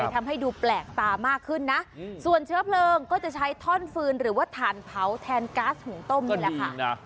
ทำให้ดูแปลกตามากขึ้นนะส่วนเชื้อเพลิงก็จะใช้ท่อนฟืนหรือว่าถ่านเผาแทนก๊าซหุงต้มนี่แหละค่ะ